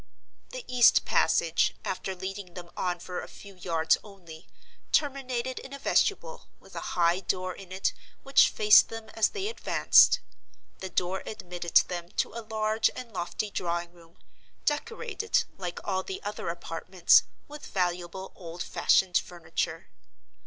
The east passage, after leading them on for a few yards only, terminated in a vestibule, with a high door in it which faced them as they advanced. The door admitted them to a large and lofty drawing room, decorated, like all the other apartments, with valuable old fashioned furniture.